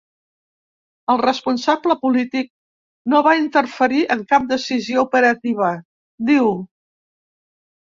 El responsable polític no va interferir en cap decisió operativa, diu.